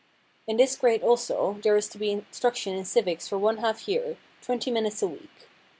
In this grade also there is to be instruction in civics for one half year, twenty minutes a week.